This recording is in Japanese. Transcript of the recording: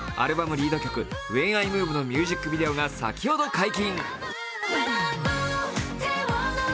アルバムリード曲「ＷＨＥＮＩＭＯＶＥ」のミュージックビデオが先ほど解禁。